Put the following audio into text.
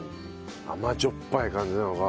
甘じょっぱい感じなのかな？